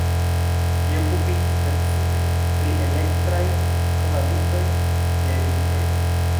Li okupiĝis precipe pri elektraj kvalitoj de vitroj.